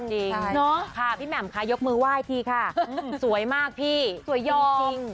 จริงเนอะพี่แหม่มค่ะยกมือไหว้พี่ค่ะสวยมากพี่สวยยอม